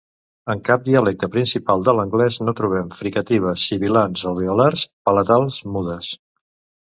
En cap dialecte principal de l'anglès no trobem fricatives sibilants alveolars palatals mudes.